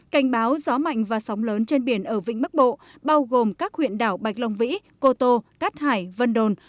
cảnh báo gió mạnh và sóng lớn trên biển ở vĩnh bắc bộ bao gồm các huyện đảo bạch long vĩ cô tô cát hải vân đồn